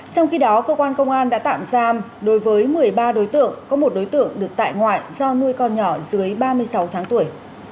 trong khi đó cơ quan công an đã tạm giam đối với một mươi ba đối tượng có một đối tượng được tại ngoại do nuôi con nhỏ dưới ba mươi sáu tháng tuổi